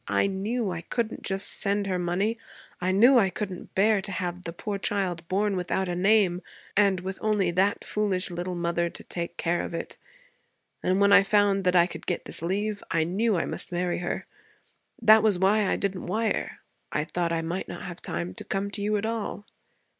I knew I couldn't just send her money. I knew I couldn't bear to have the poor child born without a name and with only that foolish little mother to take care of it. And when I found I could get this leave, I knew I must marry her. That was why I didn't wire. I thought I might not have time to come to you at all.'